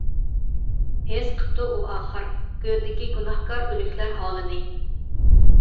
ھېس قىپتۇ ئۇ ئاخىر گۆردىكى گۇناھكار ئۆلۈكلەر ھالىنى.